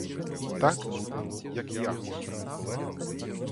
Так буде, як я хочу.